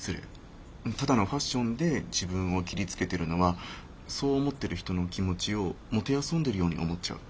ただのファッションで自分を切りつけてるのはそう思ってる人の気持ちを弄んでるように思っちゃう。